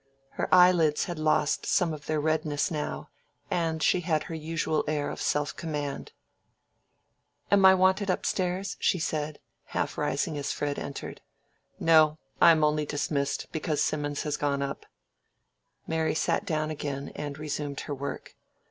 Her eyelids had lost some of their redness now, and she had her usual air of self command. "Am I wanted up stairs?" she said, half rising as Fred entered. "No; I am only dismissed, because Simmons is gone up." Mary sat down again, and resumed her work.